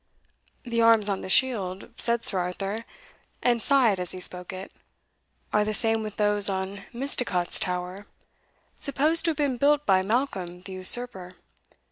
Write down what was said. "The arms on the shield," said Sir Arthur, and sighed as he spoke it, "are the same with those on Misticot's tower, supposed to have been built by Malcolm the usurper.